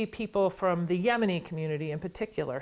anda melihat orang orang dari masyarakat yemen yang mengatakan